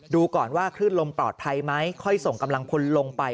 ดูก่อนว่าคลื่นลมปลอดภัยไหมค่อยส่งกำลังพลลงไป